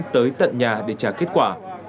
tới tận nhà để trả kết quả